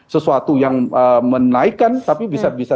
sesuatu yang menaikkan tapi bisa bisa